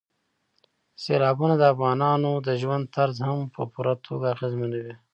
سیلابونه د افغانانو د ژوند طرز هم په پوره توګه اغېزمنوي.